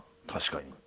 確かに。